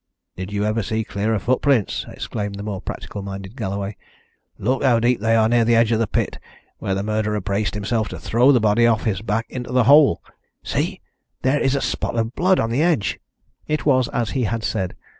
"Did you ever see clearer footprints?" exclaimed the more practical minded Galloway. "Look how deep they are near the edge of the pit, where the murderer braced himself to throw the body off his back into the hole. See! there is a spot of blood on the edge." It was as he had said.